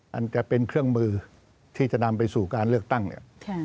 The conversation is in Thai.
อันจะเป็นเครื่องมือที่จะนำไปสู่การเลือกตั้งเนี่ย